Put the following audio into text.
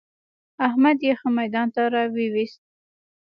احمد يې ښه ميدان ته را ويوست.